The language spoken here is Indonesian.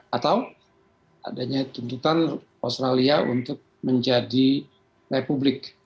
tentu saja adanya tuntutan australia untuk menjadi republik